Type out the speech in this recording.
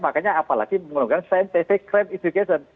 makanya apalagi menggunakan scientific crime inducation